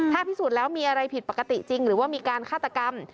ถ้าพิสูจน์แล้วมีอะไรผิดปกติจริงหรือว่ามีการฆาตกรรม